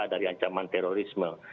dari ancaman terorisme